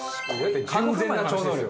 完全な超能力。